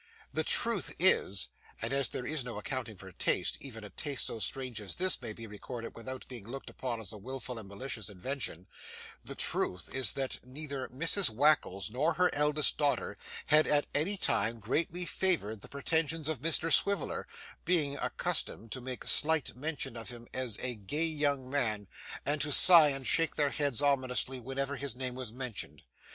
The truth is and, as there is no accounting for tastes, even a taste so strange as this may be recorded without being looked upon as a wilful and malicious invention the truth is that neither Mrs Wackles nor her eldest daughter had at any time greatly favoured the pretensions of Mr Swiveller, being accustomed to make slight mention of him as 'a gay young man' and to sigh and shake their heads ominously whenever his name was mentioned.